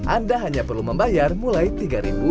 anda hanya perlu membayar mulai sekarang